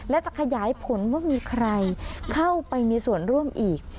และจะขยายผลว่ามีใครเข้าไปมีส่วนร่วมอีก